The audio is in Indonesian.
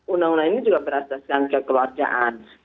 undang undang ini juga berasaskan kekeluargaan